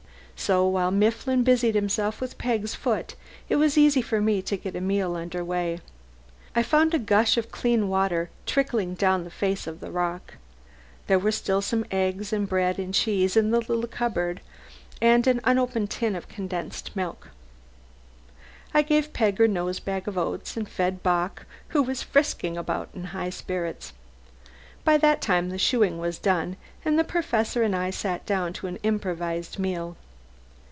So while Mifflin busied himself with Peg's foot it was easy for me to get a meal under way. I found a gush of clean water trickling down the face of the rock. There were still some eggs and bread and cheese in the little cupboard, and an unopened tin of condensed milk. I gave Peg her nose bag of oats, and fed Bock, who was frisking about in high spirits. By that time the shoeing was done, and the Professor and I sat down to an improvised meal.